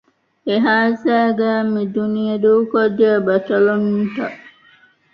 އެ ހާދިސާގައި މި ދުނިޔެ ދޫކޮށް ދިޔަ ބަޠަލުންތައް